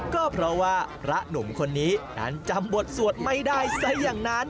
ก็เพราะว่าพระหนุ่มคนนี้นั้นจำบทสวดไม่ได้ซะอย่างนั้น